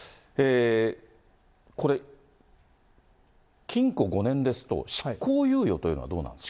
これ、禁錮５年ですと、執行猶予というのはどうなんですか。